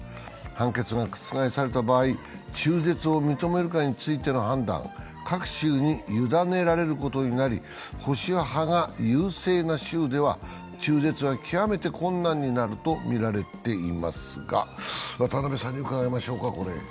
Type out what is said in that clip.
判決が覆された場合、中絶を認めるかどうかの判断は各州に委ねられることになり、保守派が優勢な州では中絶は極めて困難になるとみられていますが。